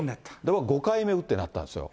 僕は５回目打ってなったんですよ。